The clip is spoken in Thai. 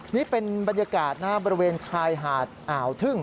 นี่เป็นบรรยากาศบริเวณชายหาดอ่าวทึ่ง